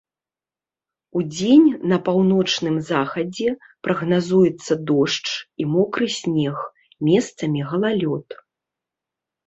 Удзень на паўночным захадзе прагназуецца дождж і мокры снег, месцамі галалёд.